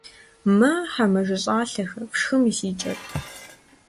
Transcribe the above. Мэ, хьэ мэжэщӀалӀэхэ, фшхы мы си кӀэр.